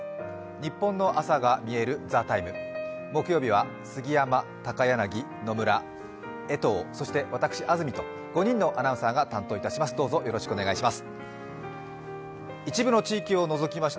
ニッポンの朝がみえる「ＴＨＥＴＩＭＥ，」木曜日は杉山、高柳、野村、江藤、そして私、安住と５人のアナウンサーが担当いたします。